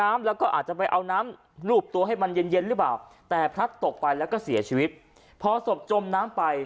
มันสมบูรณ์ไม่มีรอยสัตว์กัดแทะ